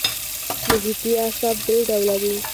محیطي اعصاب درې ډوله دي.